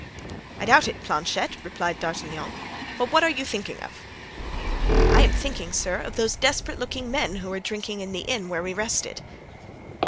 "I doubt it, Planchet," replied D'Artagnan, "but what are you thinking of?" "I am thinking, sir, of those desperate looking men who were drinking in the inn where we rested."